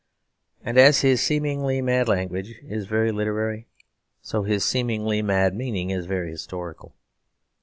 And as his seemingly mad language is very literary, so his seemingly mad meaning is very historical.